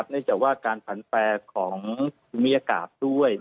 นี่จะว่าการแผนแฟของมีอากาศด้วย